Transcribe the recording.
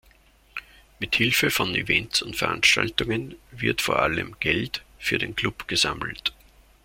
Mit Hilfe von Events und Veranstaltungen wird vor allem Geld für den Klub gesammelt.